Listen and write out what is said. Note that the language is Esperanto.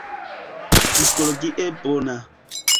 Psikologie bona.